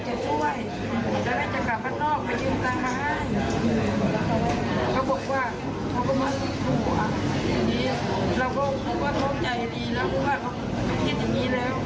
ก็ฟูเป็นคนก่อนทาง